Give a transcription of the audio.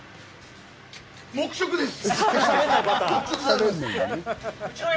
黙食です。